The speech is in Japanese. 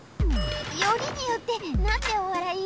よりによってなんでおわらい？